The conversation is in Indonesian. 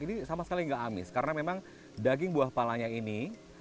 ini sama sekali nggak amis karena memang daging buah palanya ini